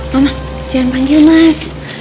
mama jangan panggil mas